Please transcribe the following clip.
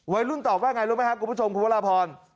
วัยรุ่นตอบว่าอย่างไรรู้ไหมครับกลุ่มผู้ชมคุณพระราพร